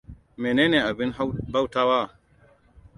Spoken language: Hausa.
Mene ne abin bautawa?